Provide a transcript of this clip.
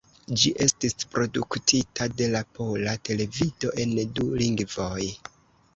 Ĝi estis produktita de la Pola Televido en du lingvoj.